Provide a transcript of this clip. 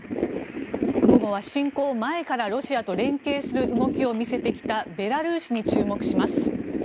午後は侵攻前からロシアと連携する動きを見せてきたベラルーシに注目します。